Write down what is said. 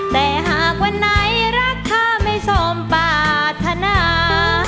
แต่หากวันไหนรักข้าไม่สมปรารถนา